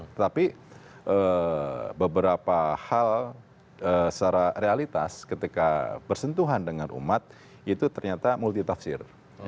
tetapi beberapa hal secara realitas ketika bersentuhan dengan umat itu ternyata multitafsir